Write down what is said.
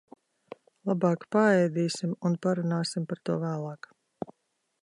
Labāk paēdīsim un parunāsim par to vēlāk.